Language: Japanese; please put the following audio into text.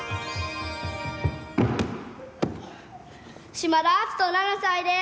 嶋田篤人７歳です。